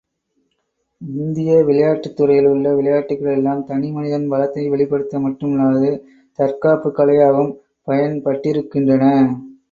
இந்திய விளையாட்டுத் துறையில் உள்ள விளையாட்டுக்கள் எல்லாம் தனி மனிதன் பலத்தை வெளிப்படுத்த மட்டுமல்லாது, தற்காப்புக் கலையாகவும் பயன்பட்டிருக்கின்றன.